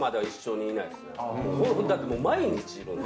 だってもう毎日いるんで。